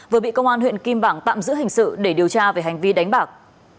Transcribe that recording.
vừa bị công an huyện kim bảng tạm giữ hình sự để điều tra về hành vi đánh bạc